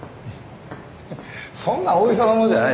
フッそんな大げさなもんじゃないよ。